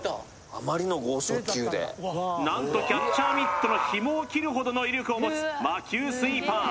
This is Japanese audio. あまりの剛速球で何とキャッチャーミットのひもを切るほどの威力を持つ魔球スイーパー